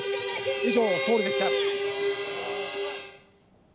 以上、ソウルでした。